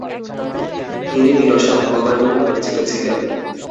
তিনি বিরসা ভগবান নামে পরিচিত ছিলেন।